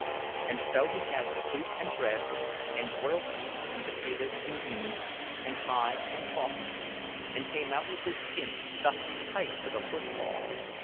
And so he had soup and bread, and boiled beef and potatoes and beans, and pie and coffee, and came out with his skin stuffed tight as a football.